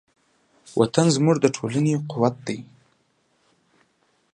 وطن زموږ د ټولنې قوت دی.